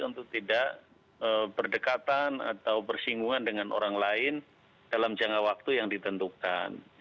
untuk tidak berdekatan atau bersinggungan dengan orang lain dalam jangka waktu yang ditentukan